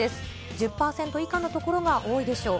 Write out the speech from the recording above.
１０％以下の所が多いでしょう。